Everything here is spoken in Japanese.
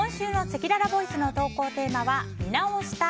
今週のせきららボイスの投稿テーマは見直した＆